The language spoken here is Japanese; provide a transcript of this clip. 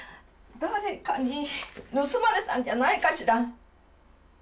誰かに盗まれたんじゃないかしら？